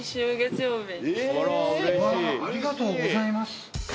ありがとうございます。